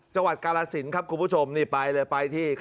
จกรสินครับคุณผู้ชมนี่ไปเลยไปที่